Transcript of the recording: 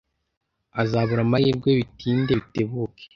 Azabura amahirwe bitinde bitebuke.